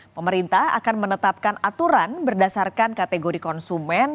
pemerintah akan menetapkan aturan berdasarkan kategori konsumen